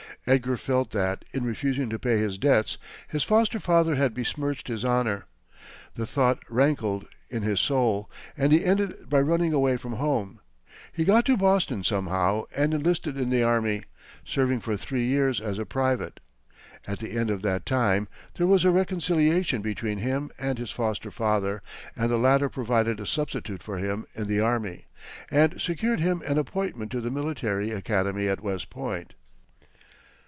Edgar felt that, in refusing to pay his debts, his foster father had besmirched his honor. The thought rankled in his soul, and he ended by running away from home. He got to Boston, somehow, and enlisted in the army, serving for three years as a private. At the end of that time, there was a reconciliation between him and his foster father, and the latter provided a substitute for him in the army, and secured him an appointment to the military academy at West Point.